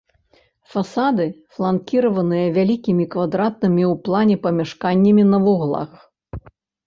Фасады фланкіраваныя вялікімі квадратнымі ў плане памяшканнямі на вуглах.